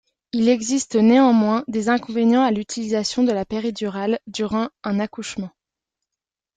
Il existe néanmoins des inconvénients à l'utilisation de la péridurale durant un accouchement.